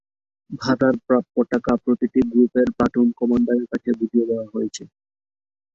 ভাতার প্রাপ্য টাকা প্রতিটি গ্রুপের প্লাটুন কমান্ডারের কাছে বুঝিয়ে দেওয়া হয়েছে।